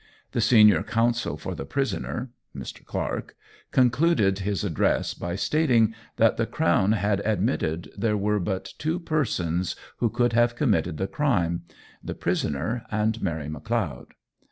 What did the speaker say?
The senior counsel for the prisoner (Mr. Clark) concluded his address by stating that the Crown had admitted there were but two persons who could have committed the crime the prisoner, and Mary M'Leod.